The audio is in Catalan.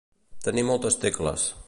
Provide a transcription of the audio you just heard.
Tenir moltes tecles.